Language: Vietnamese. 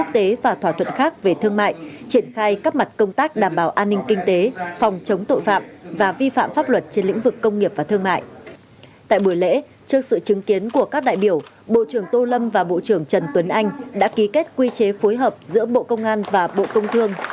tại buổi lễ trước sự chứng kiến của các đại biểu bộ trưởng tô lâm và bộ trưởng trần tuấn anh đã ký kết quy chế phối hợp giữa bộ công an và bộ công thương